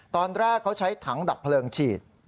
ตอนแรกเขาใช้ถังดับเพลิงฉีด